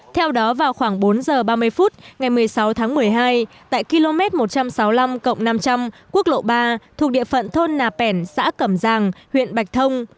theo đó vào khoảng bốn h ba mươi phút ngày một mươi sáu tháng một mươi hai tại km một trăm sáu mươi năm năm trăm linh quốc lộ ba thuộc địa phận thôn nà pẻn xã cẩm giàng huyện bạch thông